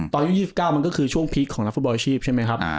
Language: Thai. อายุ๒๙มันก็คือช่วงพีคของนักฟุตบอลอาชีพใช่ไหมครับ